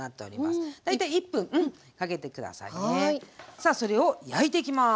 さあそれを焼いていきます。